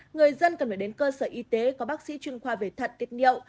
người dân cần phải đến cơ sở y tế có bác sĩ chuyên khoa về thật tiết miệu